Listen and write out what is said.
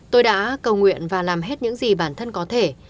tôi đã cầu nguyện và làm hết những gì bản thân có thể